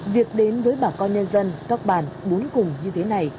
việc đến với bà con nhân dân các bàn bốn cùng như thế này